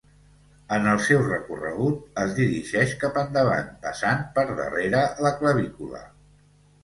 En el seu recorregut, es dirigeix cap endavant passant per darrere la clavícula.